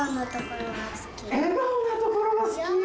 笑顔のところが好き？